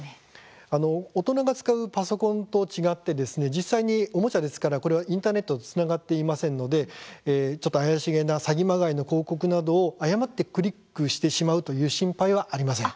大人が使うパソコンと違って実際におもちゃですからこれはインターネットにつながっていませんのでちょっと怪しげな詐欺まがいの広告などを誤ってクリックしてしまうという心配はありません。